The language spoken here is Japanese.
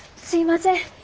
すいません。